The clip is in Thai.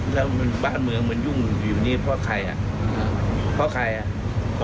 แล้วบ้านเมืองมันยุ่งอยู่นี่เพราะใครน่ะ